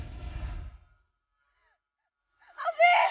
siapa itu anak kamu afif